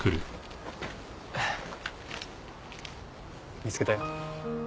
見つけたよ。